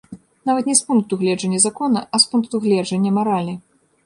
Нават не з пункту гледжання закона, а з пункту гледжання маралі.